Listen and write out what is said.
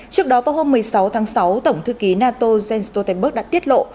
trước đó vào hôm một mươi sáu tháng sáu tổng thư ký nato jens stoltenberg đã tiết lộ